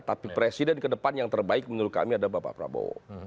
tapi presiden ke depan yang terbaik menurut kami adalah bapak prabowo